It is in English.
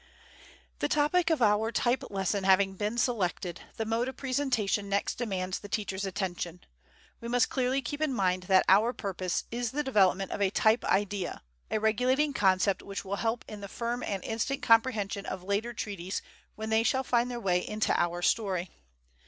The topic of our type lesson having been selected, the mode of presentation next demands the teacher's attention. We must keep clearly in mind that our purpose is the development of a type idea, a regulating concept which will help in the firm and instant comprehension of later treaties when they shall find their way into our story.